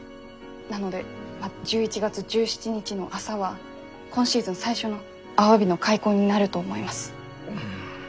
なので１１月１７日の朝は今シーズン最初のアワビの開口になると思います。